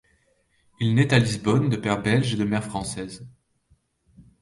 Il naît à Lisbonne de père belge et de mère française.